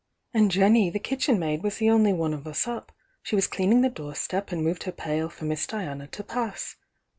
"And Jenny, the kitchen maid, was the only one of us up. She was cleaning the door step, and moved her pail for Miss Diana to pass.